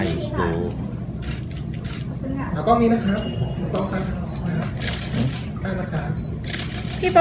อันนี้ก็มองดูนะคะ